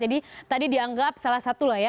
jadi tadi dianggap salah satu lah ya